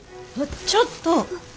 ちょっと！